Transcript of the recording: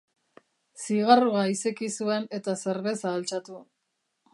Zigarroa izeki zuen eta zerbeza altxatu.